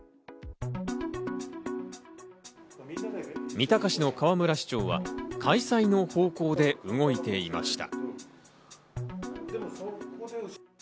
三鷹市の河村市長は開催の方向で動いていました。